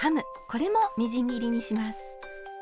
これもみじん切りにします。